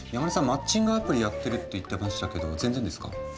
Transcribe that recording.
マッチングアプリやってるって言ってましたけど全然ですか？